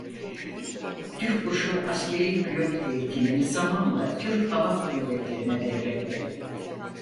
Türkkuşu askerî pilot eğitimini zamanla Türk Hava Kuvvetlerine devretti.